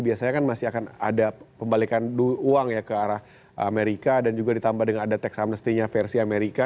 biasanya kan masih akan ada pembalikan uang ya ke arah amerika dan juga ditambah dengan ada tax amnesty nya versi amerika